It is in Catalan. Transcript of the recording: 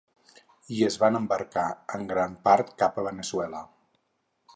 I es van embarcar en gran part cap a Veneçuela.